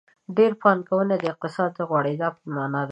ډېره پانګونه د اقتصادي غوړېدا په مانا ده.